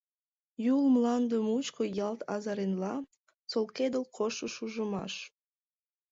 Юл мланде мучко ялт азыренла солкедыл кошто шужымаш.